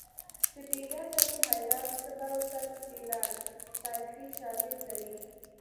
چې بیګا ته وي حیران څه به وساتي فیلان تاریخي شالید لري